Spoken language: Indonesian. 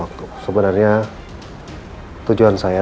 kami pamit dulu ya